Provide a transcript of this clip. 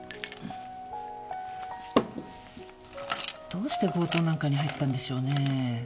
どうして強盗なんかに入ったんでしょうね。